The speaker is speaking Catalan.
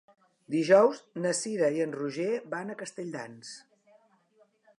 Dijous na Cira i en Roger van a Castelldans.